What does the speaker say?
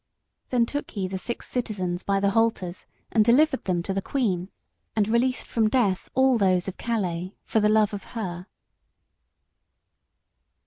Then took he the six citizens by the halters and delivered them to the queen, and released from death all those of Calais for the love of her.